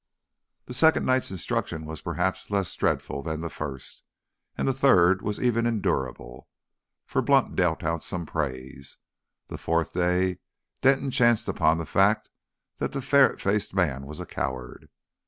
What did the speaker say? The second night's instruction was perhaps less dreadful than the first; and the third was even endurable, for Blunt dealt out some praise. The fourth day Denton chanced upon the fact that the ferret faced man was a coward.